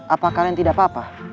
apa kalian tidak apa apa